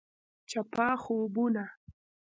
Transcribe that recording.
چپه خوبونه …